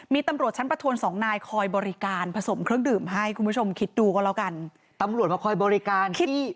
มีตำรวจชั้นปะทวน๒นายคอยบริการผสมเครื่องดื่มให้คุณผู้ชมคิดดูก็แล้วกัน